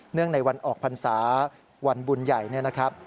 เนื่องในวันออกพรรษาวันบุญใหญ่นะครับ